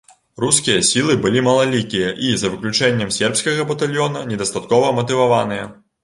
Рускія сілы былі малалікія і, за выключэннем сербскага батальёна, недастаткова матываваныя.